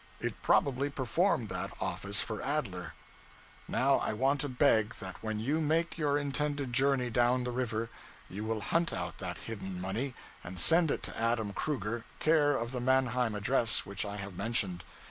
It probably performed that office for Adler. Now I want to beg that when you make your intended journey down the river, you will hunt out that hidden money, and send it to Adam Kruger, care of the Mannheim address which I have mentioned.